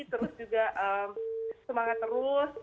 terus juga semangat terus